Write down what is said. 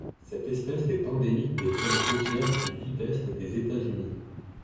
Cette espèce est endémique des plaines côtières du Sud-Est des États-Unis.